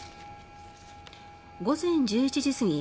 午前１１時すぎ